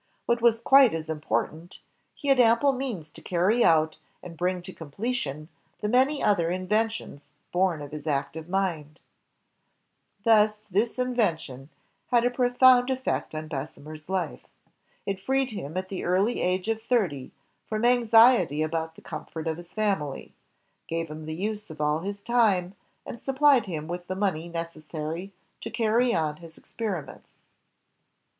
What was quite as important, he had ample means to carry out and bring to completion the many other inventions bom of his active mind. Thus this invention had a profoimd HENRY BESSEMER 1 75 effect on Bessemer's life. It freed him, at the early age of thirty, from anxiety about the comfort of his family, gave him the use of all of his time, and supplied him with the money necessary to carry on his experiments.